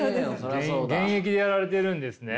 現役でやられているんですね。